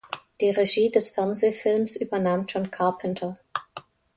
Die Regie des Fernsehfilms übernahm John Carpenter.